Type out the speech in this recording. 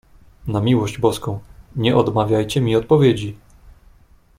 "Na miłość Boską, nie odmawiajcie mi odpowiedzi!"